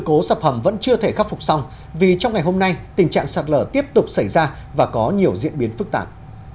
các hầm vẫn chưa thể khắc phục xong vì trong ngày hôm nay tình trạng sạt lở tiếp tục xảy ra và có nhiều diễn biến phức tạp